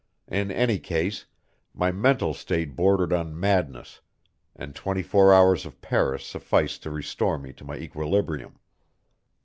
In any case, my mental state bordered on madness, and twenty four hours of Paris sufficed to restore me to my equilibrium.